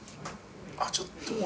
あっちょっと。